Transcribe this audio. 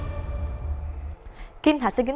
kim thạch xin kính chào quý vị và các bạn